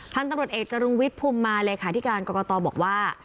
ท่านตำรวจเอกจรุงวิทธิ์ภูมิมาเลยค่ะที่การกรกตบอกว่า